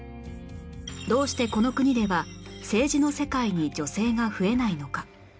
どうしてこの国では政治の世界に女性が増えないのか